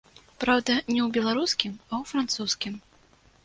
Праўда, не ў беларускім, а ў французскім.